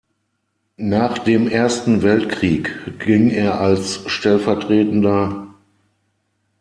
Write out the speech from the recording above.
Nach dem Ersten Weltkrieg ging er als stv.